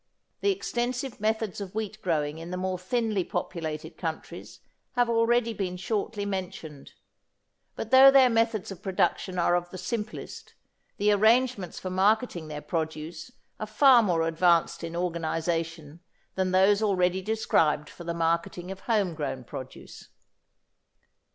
The extensive methods of wheat growing in the more thinly populated countries have already been shortly mentioned. But though their methods of production are of the simplest, the arrangements for marketing their produce are far more advanced in organisation than those already described for the marketing of home grown produce.